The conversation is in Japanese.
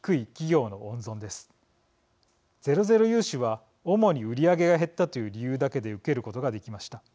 ゼロゼロ融資は主に売り上げが減ったという理由だけで受けることができました。